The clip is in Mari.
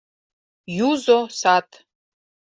ЮЗО САД